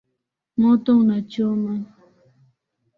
Moto unachoma